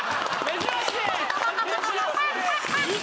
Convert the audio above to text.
珍しい！